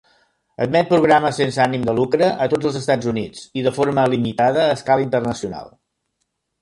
Admet programes sense ànim de lucre a tots els Estats Units i, de forma limitada, a escala internacional.